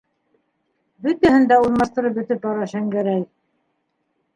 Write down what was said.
Бөтәһен дә урынлаштырып бөтөп бара Шәңгәрәй.